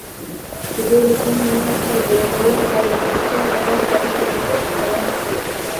د دې لیکنې موخه د غور او پښتو ادب اړیکه روښانه کول دي